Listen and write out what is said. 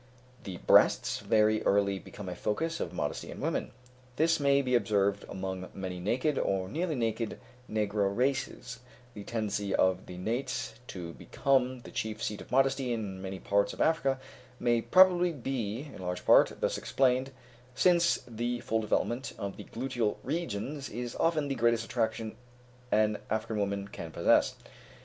The breasts very early become a focus of modesty in women; this may be observed among many naked, or nearly naked, negro races; the tendency of the nates to become the chief seat of modesty in many parts of Africa may probably be, in large part, thus explained, since the full development of the gluteal regions is often the greatest attraction an African woman can possess.